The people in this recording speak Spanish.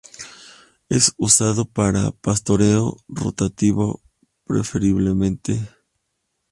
Es usado para pastoreo rotativo preferiblemente.